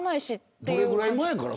どれぐらい前からですか。